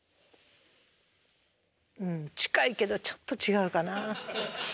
うん近いけどちょっと違うかな。